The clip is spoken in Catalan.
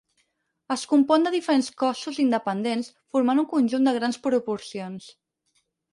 Es compon de diferents cossos independents formant un conjunt de grans proporcions.